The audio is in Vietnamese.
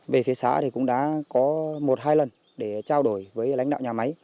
về phía xã thì cũng đã có một hai lần để trao đổi với lãnh đạo nhà máy